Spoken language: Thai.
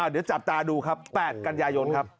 เดี๋ยวจับตาดูครับ๘กันยายนครับ